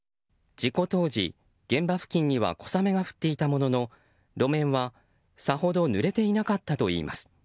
事故当時、現場付近には小雨が降っていたものの路面は、さほどぬれていなかったといいます。